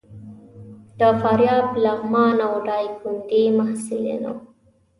د فاریاب، لغمان او ډایکنډي محصلین وو.